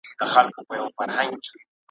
سپی په مخ کي سي د لاري رهنما سي ,